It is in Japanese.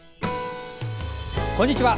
こんにちは。